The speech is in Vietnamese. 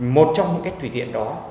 một trong những cách tùy tiện đó